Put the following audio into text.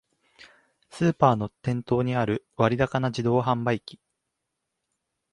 スーパーの店頭にある割高な自動販売機